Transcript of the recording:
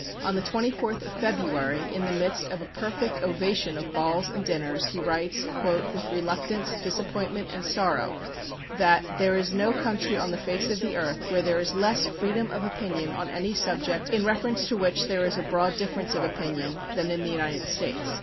On the 24th of February, in the midst of a perfect ovation of balls and dinners, he writes "with reluctance, disappointment, and sorrow," that "there is no country on the face of the earth, where there is less freedom of opinion on any subject in reference to which there is a broad difference of opinion, than in" the United States.